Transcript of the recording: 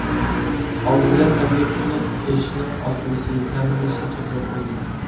ئالدى بىلەن، ئەمگەك كۈچىنىڭ ئېشىشىنىڭ ئاستىلىشى تەمىنلەشنى چەكلەپ قويدى.